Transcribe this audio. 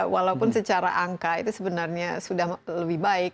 walaupun secara angka itu sebenarnya sudah lebih baik